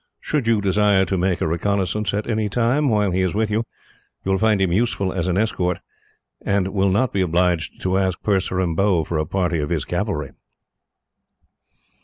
Should you desire to make a reconnaissance at any time, while he is with you, you will find him useful as an escort, and will not be obliged to ask Purseram Bhow for a party of his cavalry."